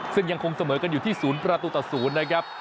ซึ่งยังคงเสมอกันอยู่ที่ศูนย์ประตูตะศูนย์นะครับ